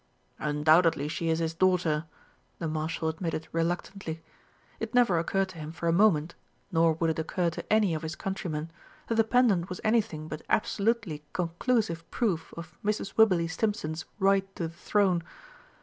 "Undoubtedly she is his daughter," the Marshal admitted reluctantly. It never occurred to him for a moment nor would it occur to any of his countrymen that the pendant was anything but absolutely conclusive proof of Mrs. Wibberley Stimpson's right to the throne.